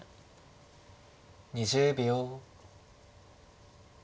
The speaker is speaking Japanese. ２０秒。